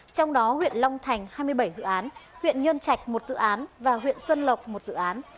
trong đó huyện long thành hai mươi bảy dự án huyện nhân trạch một dự án và huyện xuân lộc một dự án